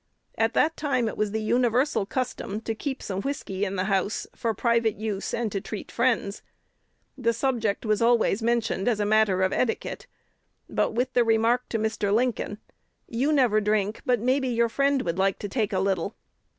At that time it was the universal custom to keep some whiskey in the house, for private use and to treat friends. The subject was always mentioned as a matter of etiquette, but with the remark to Mr. Lincoln, 'You never drink, but maybe your friend would like to take a little.'